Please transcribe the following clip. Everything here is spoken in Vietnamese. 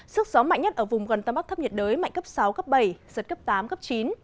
sức gió mạnh nhất ở vùng gần tâm áp thấp nhiệt đới mạnh cấp sáu cấp bảy giật cấp tám cấp chín